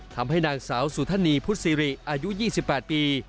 ทำให้นางสาวสุธนีพุทธศิริอายุ๒๘ปี